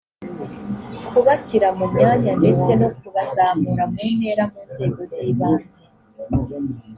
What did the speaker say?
kubashyira mu myanya ndetse no kubazamura mu ntera mu nzego z ibanze